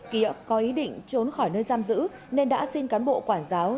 ký ức có ý định trốn khỏi nơi giam giữ nên đã xin cán bộ quản giáo